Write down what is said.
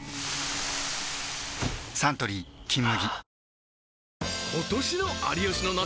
サントリー「金麦」